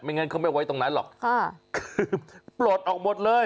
งั้นเขาไม่ไว้ตรงนั้นหรอกค่ะคือปลดออกหมดเลย